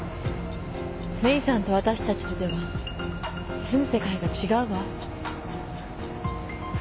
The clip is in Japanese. メイさんとわたしたちとでは住む世界が違うわ。